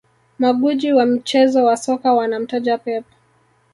Magwiji wa mchezo wa soka wanamtaja Pep